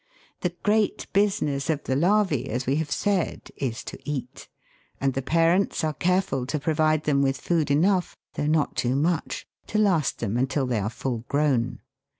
The great business of the larvae, as we have said, is to eat, and the parents are careful to provide them with food enough, though not too much, to last them until they are full grown.